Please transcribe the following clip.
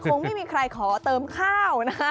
คงไม่มีใครขอเติมข้าวนะฮะ